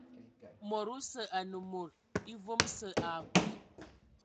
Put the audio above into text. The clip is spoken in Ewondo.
Mod osə anə mod evom sə akwi.